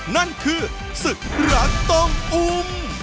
นั่นคือศึกรักต้องอุ้ม